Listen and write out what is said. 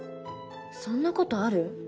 そんなことある？